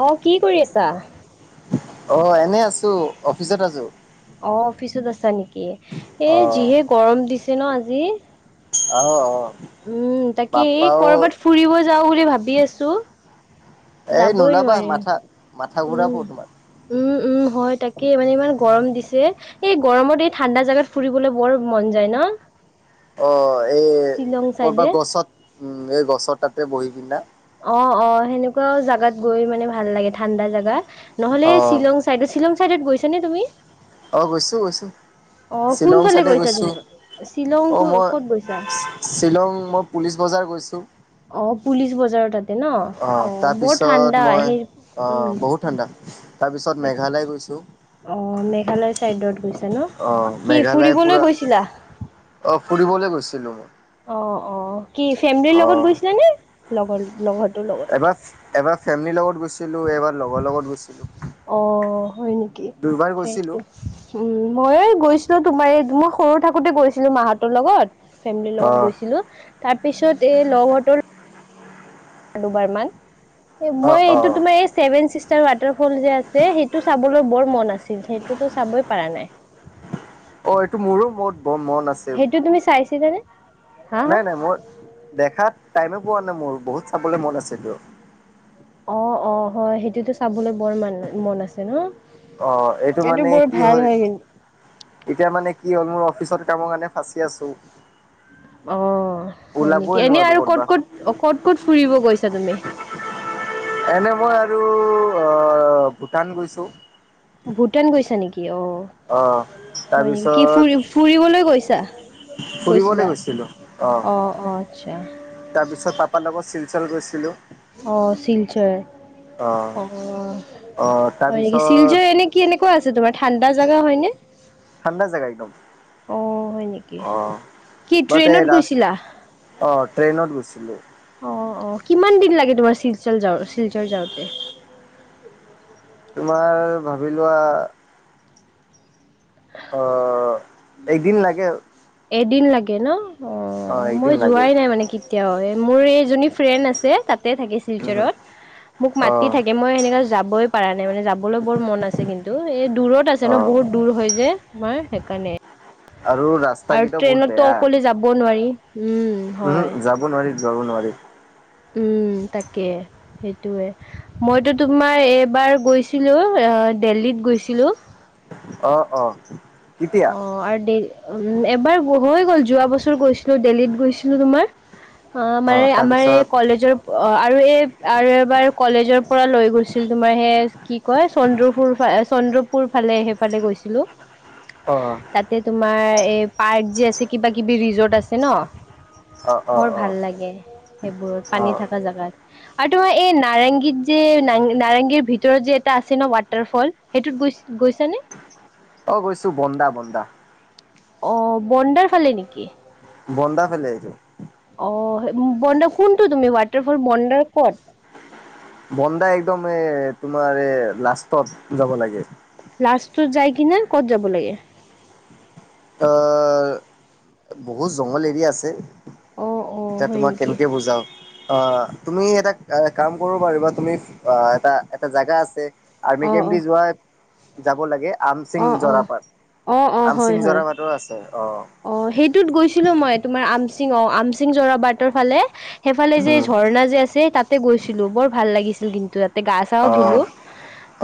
অ কি কৰি আছা অ এনে আছো অফিচত আছো? অ অফিচত আছা নেকি এ অ যিহে গৰম দিছে ন আজি আহ অ। উম তাকে বাপ্পাও কৰবাত ফুৰিব যাও বুলি ভাবি আছো। এই যাবই নোলাবা নোৱাৰি মাথা মাথা ঘূৰাব তোমাৰ উম উম। উম হয় তাকে মানে ইমান গৰম দিছে। যে এই গৰমত এই ঠাণ্ডা জোগাত ফুৰিবলৈ বৰ মন যায় ন। অ এই শ্বিলং কৰ'বা চাইডে গছত উম এই গছৰ তাতে বহি পিন্ধন অ অ সেনেকুৱাও জাগাত গৈ মানে ভাল লাগে ঠাণ্ডা জাগা নহ'লে অ শ্বিলং চাইদ শ্বিলং চাইত গৈছ নে তুমি। অ গৈছো, গৈছো। অ শ্বিলং কোনফালে চাইডে গৈছা গৈছো তুমি? শ্বিলং অ ক মই ক'ত গৈছা? শ্বিলং মই পুলিচ। পছ বজাৰ গৈছো। অ পুলিচ বজাৰ তাত। অ তাৰপিছত মই সেই অ উম বহুত ঠাণ্ডা। তাৰপিছত মেঘালয় গৈছোঁ। অ মেঘালয় চাইডত গৈছো ন অ কি মেঘালয় ফুৰিবলৈ পুৰা গৈছিলা। অ ফুৰিবলৈ গৈছে। অ অ কি ফেমিলিৰ অ লগত গৈছিলা নে লগৰ লগত। এবাৰ এবাৰ ফেমিলিৰ লগত গৈছিলো এবাৰ লগৰ লগত গৈছিলো। অ হয় নেকি দুইবাৰ গৈছিলো। সেইটো উম ময়ে গৈছো। তোমাৰ এই মই সৰু থাকোতে গৈছিলো মাহঁতৰ লগত। ফেমিলিৰ লগত অ'। গৈছিলো তাৰ পিছত এই লগহতৰ। বাৰ মই অ', এইটো অ', তমাৰভেন। ল যে আছে সেইটো চাবলৈ বৰ মন আছিল সেইটোতো চাবই পাৰা নাই। অ', এইটো মোৰো বহুত বৰ মন আছে সেইটো তুমি চাইছিল জানে। নাই নাই মোৰ দেখাত টাইমো পোৱা নাই মোৰ বহুত চাবলৈ মন আছেতো অ অ হয় সেইটোতো চাবলৈ বৰ মান মন আছে ন। অ এইটো মানে কি হল এতিয়া মানে। কি হ'ল মোৰ অফিচত কামৰ কাৰণে ফাঁচি আছোঁ। অ অ হয় নেকি এনে নোৱাৰো আৰু ক'ত, ক'তবা। ক'ত, ক'ত, ক'ত ফুৰিব গৈছা তুমি? এনে মই আৰু অ ভূটান গৈছো। ভূটান গৈছা নেকি? অ অ'। হয় নেকি কি তাৰপিছত ফুৰি ফুৰিবলৈ গৈছা। গৈছিলা ফুৰিবলৈ গৈছিলো আহ। অ অ আচ্ছা তাৰ পিছত পাপাৰ লগত শিলচৰ গৈছিলো। অঁ শিলচৰ অ অ', হয় নেকি তাৰপিছত শিলজৰ এনে কি এনেকুৱা আছে তোমাৰ ঠাণ্ডা জোগা হয় নে? খন্দাজে গাইদম অ হয় নেকি অ কি বাট এই ট্ৰেইনত ৰা গৈছিলা? অ ট্ৰেইনত গৈছিলো। অ অ কিমান দিন লাগে তোমাৰ শিলচৰ যাওঁ শিলচৰ যাওঁতে। তোমাৰ ভাবি লোৱা অ একদিন লাগে। এদিন লাগে ন অ মই একদিন লাগে। যোৱাই নাই মানে কেতিয়াও। মোৰ এইজনী ফ্ৰেণ্ড আছে তাতে থাকে উম, চিলচাৰত মোক মাতি অ' থাকে মই সেনে। যাবই পৰা নাই মানে যাবলৈ বৰ মন আছে কিন্তু এই দূৰত আছে ন অ' বহুত দূৰ হৈ যে। মাৰ সেইকাৰণে। আৰু ৰাস্তা আৰু কেইটা বহুত ট্ৰেইনতো বেয়া। অকলে যাব নোৱাৰি উম হয়। জাব নোৱাৰি। উম তাকে সেইটোয়ে মইতো তোমাৰ এইবাৰ গৈছিলো। দিল্লীত গৈছিলো। অহ অ। কেতিয়া? অ আৰু দ উম এবাৰ হৈ গ'ল যোৱা বছৰ গৈছিলো দেলহিত। গৈছিলো তোমাৰ। অ মানে আমাৰ এই কলেজৰ অ আৰু এই আৰু এবাৰ কলেজৰ পৰা লৈ গৈছিল তোমাৰ। আহে কি কয় চন্দ্ৰ ফুৰ চন্দ্ৰ। পোৰ ফালে সেইফালে গৈছিলো অ' তাতে তোমাৰ। এই পাৰ্ক যি আছে কিবা কিবি ৰিজৰ্ট আছে ন। অ' বৰ অ' ভাল অ' লাগে সেইবোৰত পানী অ'। থকা জোগাত। আৰু তোমাৰ এই নাৰেংগীত যে নাৰেংগীৰ ভিতৰত যে এটা আছে ন ৱাটাৰ ফল সেইটোত গৈ। গৈছানে। গৈছো বন্দা বন্দা। অ বনডাৰ ফালে নেকি। বন্দা ফেল আহাইছো। অ বডাৰ শুনটো তুমি ৱাটাৰফল বন্দাৰ ক'ত। বন্দা একদম এ তোমাৰ এ লাষ্টত যাব লাগে। লাষ্টটোৰ যায় কি ন ক'ত যাব লাগে। বহুত জংঘল এৰিয়া আছে। অ' অ' এতিয়া হয় তোমাক নেকি কেনেকে বুজাও অ তুমি এটা কাম। কৰাৰ তুমি অ এটা এটা জোগা আছে আি অ' কেম্প দি অ' যোৱা যাব লাগে। আমচিং অ' জোৰা অ' পাট অ' অ' আমচিং হয় হয় জোৰা পাটো আছে। অ সেইটোত গৈছিলো মই তোমাৰ আমচিং অ আমচিং জৰা বাৰটৰ ফালে। সেইফালে যে উম ঝৰ্ণা যে আছে তাতে গৈছিলো বৰ ভাল লাগিছিল কিন্তু তাতে গা চা অ ধুলো।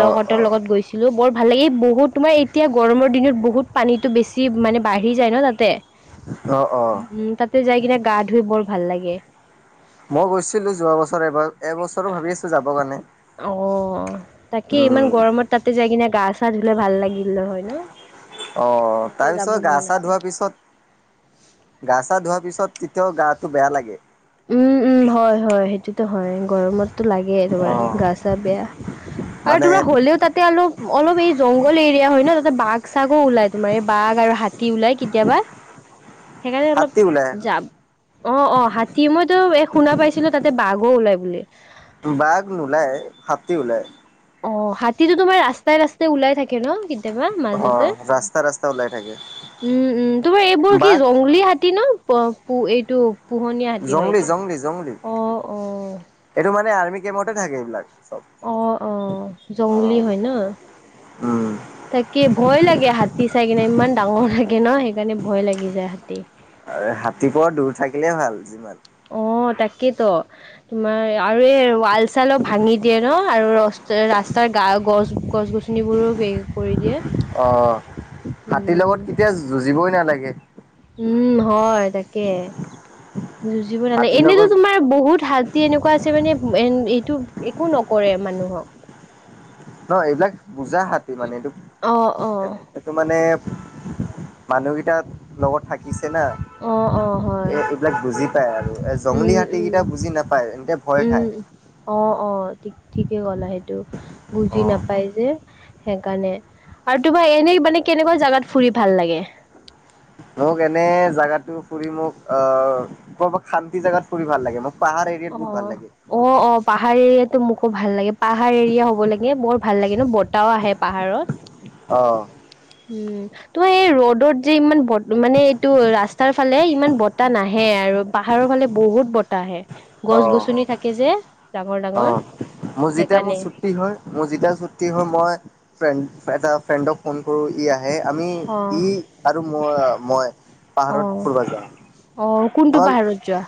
অ লগতৰ লগত গৈছিলো বৰ। ভাল লাগ এই বহুত তোমাৰ এতিয়া গৰমৰ দিনত বহুত পানীটো বেছি মানে বাঢ়ি যায় ন তাতে। অ অ অ উম তাতে যাই কিনে গা ধুই বৰ ভাল লাগে। মই গৈছিলো যোৱা বছৰ এব এবছৰো ভাবি আছো যাব কাৰণে। অ তাকে উম ইমান গৰমত তাতে যাই কিনে গা চা ধুলে ভাল লাগিল ন হয় ন। অ তাতে যাব তাৰপিছত গা মন চা আছে ধোৱাৰ পিছত গা চা ধোৱা। তাৰ পিছত তেতিয়াও গাটো বেয়া লাগে। উম উম। হয় হয় সেইটোতো হয় গৰমততো লাগেই অ তোমাৰ গা চা বেয়া। আৰু মানে তোৰা হ'লেও তাতে অলপ অলপ এই জংঘল এৰিয়া হয় ন। বাঘ চাগো ওলাই তোমাৰ এই বাঘ আৰু হাতী ওলাই কেতিয়াবা। সেইকাৰণে অলপ হাতী ওলাই যাম অ অ হাতী মইতো। শুনা পাইছিলো তাতে বাঘ ওলাই বুলি। বাঘ নোলায় হাতী ওলাই। অ হাতীতো তোমাৰ ৰাস্তাই ৰাস্তাই ওলাই থাকে ন কিন্তু। অ ৰাস্তা ৰাস্তা ওলাই থাকে। উম উম তোমাৰ এইবোৰ কি বাঘ জংলী হাতী ন প এইটো। পোহনীয়া হাতী হয় জংলী এইটো জংলী জংলী অ অ। তুমি কমতে থাকে এইবিলাক। চব অ অ অ জংলী হয় ন। উম তাকে ভয় লাগে হাতী চাই কিনে ইমান ডাঙৰ লাগে। ন সেইকাৰণে ভয় লাগি যায় হাতী। আৰু হাতীৰপ দূৰ থাকিলে ভাল যিমান। অ তাকেইেতো তোমাৰ। আৰু এই ৱাল চালো ভাঙি দিয়ে ন আৰু ৰাস্তাৰ গা গছ গছ গছ। গছনিবোৰো হে কৰি অ দিয়ে হাতীৰ লগত কেতিয়া উম যুঁজিবই নালাগে উম হয় তাকে যুঁজিব নালাগে হাতীৰ এনেতো লগত তোমাৰ বহুত হাতী এনেকুৱা আছে মানে এ এইটো একো নকৰে মানুহক নহ এইবিলাক বুজা হাতী মানে এইটো অ অ এইটো মানে মানুহ ত লগত থাকিছে না। অ অ এ হয় এইবিলাক বুজি পায় আৰু এ জংলী উম হাতী উম কেইটা বুজি নাপায় এন্ততে ভয় উম খায় অ অ ঠিকে কলা সেইটো বুজি অ নাপাই যে সেইকাৰণে আৰু তোমাৰ এনেই মানে কেনেকুৱা জেগাত ফুৰি ভাল লাগে মোক এনে জোগাতো ফুৰি মোক আহ কৰবাত শান্তি জোগাত ফুৰি ভাল লাগে মোক পাহাৰ এৰিয়াত অ বহুত ভাল লাগে অ অ পাহাৰ মোকো ভাল লাগে পাহাৰ এৰিয়া হ'ব লাগে বৰ ভাল লাগে ন বতাহও আহে পাহাৰত অ উম তো এই ৰ'দত যে ইমান ব মানে এইটো ৰাস্তাৰ ফালে ইমান বতাহ নাহে আৰু আৰু পাহাৰৰ ফালে বহুত বতাহ আহে অ গছ গছনি থাকে যে ডাঙৰ অ ডাঙৰ মোৰ যেতিয়া মোৰ সেইকাৰণে ছুক্তি হয় মোৰ যেতিয়া ছুটি হয় মই ফ্ৰেণ্ড এটা ফ্ৰেণ্ডক ফোন কৰো ই আহে আহে আমি অ', ই আৰু ম মই পাহাৰত অ', ফুৰিব যাওঁ। অ কোনটো আমাক পাহাৰত যোৱা।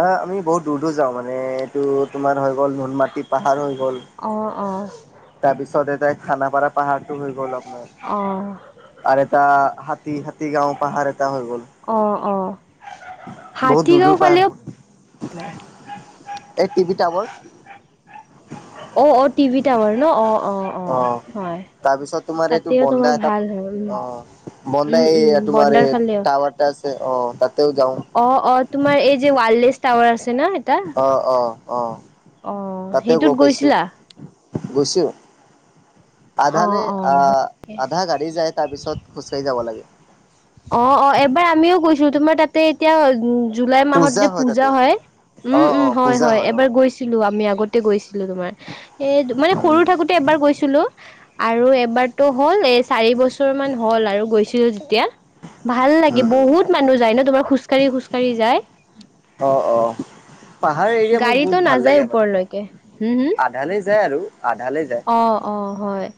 আহ আমি বহুত দূৰ দূৰ যাওঁ মানে এইটো তোমাৰ হৈ গ'ল নুনমাটি পাহাৰ হৈ গ'ল। অ', অ', তাৰ পিছত এতিয়া খানাপাৰা পাহাৰতটো হৈ গ'ল আপোনাৰ অ', আৰু এটা হাতী হাতীগাঁও। পাহাৰ এটা হৈ গল অ', অ', বহুত দূৰ দূৰ পাহাৰ হল। ন নাই। টাৱাৰ অ অ টিভি টাৱাৰ ন অ। অঁ অঁ অ' হয় তাৰপিছত তোমাৰ এইটো তাতেও বন্দা তোমাৰ এটাত ভাল হয়। অ' বন্দা উম এই উম তোমাৰ বডাৰ এই ফালেও টাৱাৰ এটা আছে অ' তাতেও যাওঁ অ অ তোমাৰ এই যে ৱ। টাৱাৰ আছে ন। এটা অ অ অ। অ সেইটোত গৈছিলা। গুচো অ', আধালৈ অ', আহ হয়। আধা গাড়ী যাই তাৰপিছত খোজকাঢ়ি যাব লাগে। অ', অ', এবাৰ আমিও গৈছো তোমাৰ তাতে এতিয়া উ জুলাই মাহত পূজা যে পুজা তাতে হয় উম অ' উম অ' হয় পূজা হয় অ' এবাৰ গৈছিলো আমি আগতে গৈছিলো। তোমাৰ এ মানে উম সৰু থাকোতে এবাৰ গৈছিলো। আৰু এবাৰতো হ'ল এই চাৰি বছৰ মান হ'ল আৰু গৈছিলো যেতিয়া। ভাল লাগে উম উম বহুত মানুহ যায় ন তোমাৰ খোজকাঢ়ি খোজকাঢ়ি যায়। অ' অ' পাহাৰ এৰিয়া মোক বহুত গাড়ীটো ভাল নাযায় লাগে মানে ওপৰলৈকে হম হম। আধালে যায় আৰু আধালে যায় অ অ হয়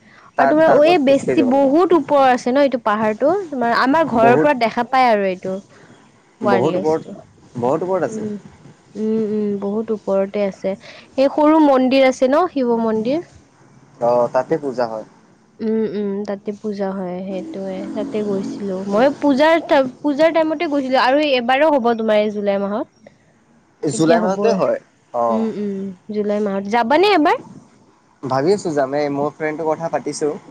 আৰু তাৰ তাৰ পৰা তোমাৰ খোজকাঢ়ি বেছি যাব লাগে বহুত ওপৰৰ আছে ন এইটো প পাহাৰটো মান আমাৰ ঘৰৰ বহুত পৰা দেখা পাই আৰু এইটো বহুত বলেছ ওপৰত বহুত ওপৰত আছে উম উম উম বহুত ওপৰতে আছে সেই সৰু মন্দিৰ আছে ন মন্দিৰ অ তাতে পূজা হয়। তাতে পূজা হয় সেইটোৱে তাতে গৈছিলো মই পূজাৰ পূজাৰ টাইমতে গৈছিলো। আৰু এইবাৰো হ'ব তোমাৰ এই জুলাই মাহত জুলাই এতিয়া মাহতে হ'বই হয়। অ। উম উম জুলাই মাহত যাবানে এবাৰ? ভাবি আছোঁ যামেই মোৰ ফ্ৰেণ্ডৰ কথা পাতিছোঁ -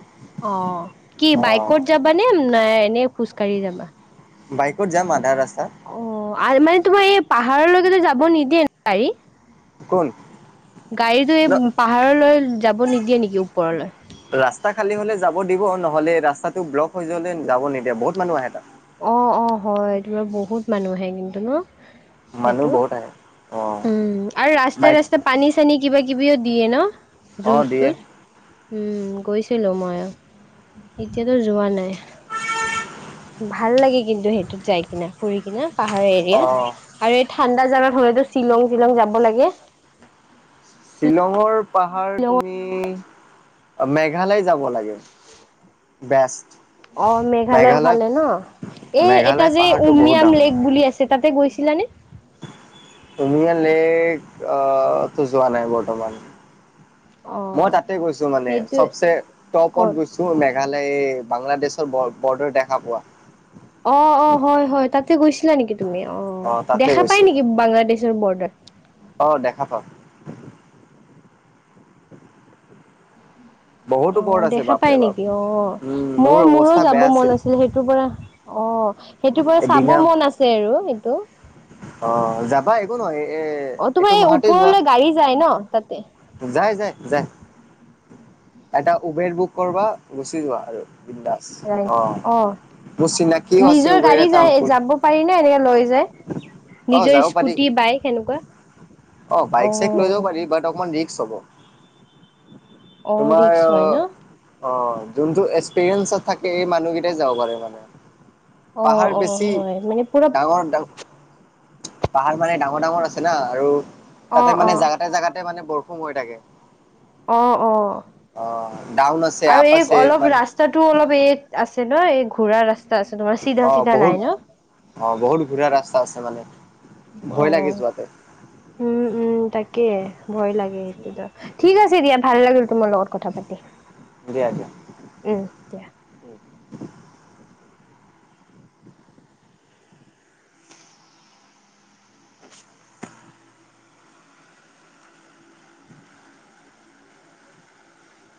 অ কি বাইকত যাবা নে নাই এনেই খোজকাঢ়ি যাবা? বাইকত যাম আধা ৰাস্তা- অ আৰু মানে তোমাৰ এই পাহাৰলৈকে যাব নিদিয়ে ন গাড়ী? কোন- গাড়ীতটো এই ন পাহাৰলৈ যাব নিদিয়ে নেকি ওপৰলৈ? ৰাস্তা খালী হলে যাব দিব, নহলে ৰাস্তাটো ব্লক হৈ যলে যাব নিদিয়া বহুত মানুহ আহে তাত- মানুহে কিন্তু ন। মানুহ সেইটো বহুত আহে। অ উম আৰু ৰাস্তা বাইক ৰাস্তা পানী চানী কিবা কিব- কিবিও দিয়ে ন অ জুচ দিয়ে। চুচ- গৈছিলোঁ মই এতিয়াতো যোৱা নাই- ভাল লাগে কিন্তু সেইটোত যাই কিনা ফুৰি কিনা পাহাৰৰ অ এৰিয়াত আৰু এই ঠাণ্ডা জাবা- হ'লে তো শ্বিলং টিলং যাব লাগে- শ্বিলঙৰ পাহাৰ শ্বিলঙত তুমি মেঘালয় যাব লাগে- বেষ্ট- অ মেঘালয়ৰ মেঘালয় ফালে ন এই এটা মেঘালয় যে পাহাৰটো বহুত উমিয়াম লেক বুলি আছে তাতে গৈছিলোঁ - ানে [unintelligible] তুমিয়া লেক টো যোৱা নাই বৰ্তমান- মই অ', তাতে গৈছোঁ মানে সেইটো চবচে ক'ত? টপত গৈছোঁ মে- তোলে এই বাংলাদেশৰ বৰ্ডাৰ দেখা পোৱা- অ অ হয় হয় তাতে গৈছিলা নেকি? তুমি অ তাতে দেখা পাই গৈছিলো নেকি বাংলাদেশৰ বৰ্ডাৰ? অ দেখা পাওঁ বহুতো অ পৰ্ট আছে দেখা পাই বাপৰে বাপ নেকি? অ উম মোৰ মই মোৰো অৱস্থা যাব বেয়া মন আছিল সেইটোৰ পৰা অ। সেইটোৰ পৰা চাব মন আছে আৰু এইটো- আহ যাবা একো নহয় এ অ', তোমাৰ এইটো এই মাহতেই যোৱা। ওপৰলৈ গাড়ী যায় ন তাতে? যাই যাই যাই এটা উবেৰ বুক কৰা গুচি যোৱা আৰু। অ মোৰ চিনাকিও আছে নিজৰ উবেৰ গাড়ী এটা যাই অংকুল যাব পাৰি নে এনেকে লৈ য- অ নিজৰ যাব পাৰি স্কুটি বাইক এনেকুৱা- অ বাইক চাইক লৈ যাব পাৰি বাত অকমান ৰিক্ক হব। অ তোমাৰ ৰিক্স হয় ন! অ যোনটো এক্সপিৰিয়েঞ্চত থাকে এই মানুহকেইটাই যাব পাৰে মানে- অ', পাহাৰ অ', বেছি হয়, মানে পুৰা ডাঙৰ ডাঙৰ। পাহাৰ মানে ডাঙৰ ডাঙৰ আছে না আৰু অ', তাতে মানে অ', জাগাতে জাগাতে মানে বৰষুণ- হৈ থাকে- অ অ অ ডাউন আছে আৰু আপ এই আছে অলপ মান ৰাস্তাটো অলপ এই আছে- নহয় এই ঘোঁৰা ৰাস্তা- আছে তোমাৰ চিধা অ চিধা নাই বহুত ন? অ বহুত ঘূৰা ৰাস্তা আছে মানে। ভয় লাগি যোৱাতে- উম উম তাকে ভয় লাগে সেইটো ঠিক আছে দিয়া ভাল লাগিল। তোমাৰ লগত কথা পাতি দিয়া দিয়া। উম দিয়া-